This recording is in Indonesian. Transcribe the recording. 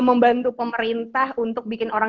membantu pemerintah untuk bikin orang